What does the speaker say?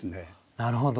なるほど。